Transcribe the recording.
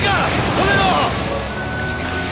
止めろ！